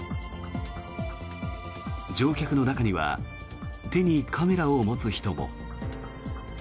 乗客の中には手にカメラを持つ人も。